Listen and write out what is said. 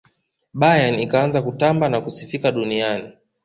bayern ikaanza kutamba na kusifika duniani